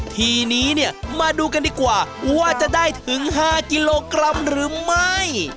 ทีนี้เนี่ยมาดูกันดีกว่าว่าจะได้ถึง๕กิโลกรัมหรือไม่